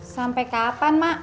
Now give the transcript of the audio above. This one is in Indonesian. sampai kapan mak